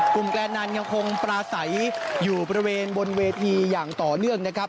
แกลนันยังคงปราศัยอยู่บริเวณบนเวทีอย่างต่อเนื่องนะครับ